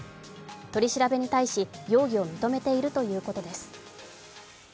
取り調べに対し容疑を認めているということです。